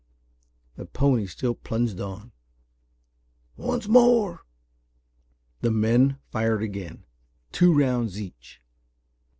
The pony still plunged on. "Once more!" The men fired again, two rounds each.